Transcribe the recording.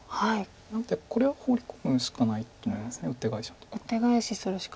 なのでこれはホウリ込むしかないと思いますウッテガエシのとこ。